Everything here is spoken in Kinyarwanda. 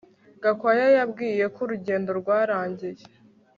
Gakwaya yambwiye ko urugendo rwarangiye